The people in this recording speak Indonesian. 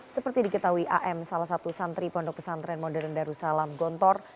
seperti diketahui am salah satu santri pondok pesantren modern darussalam gontor